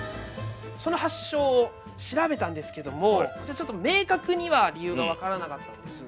その発祥を調べたんですけどもこちらちょっと明確には理由が分からなかったんです。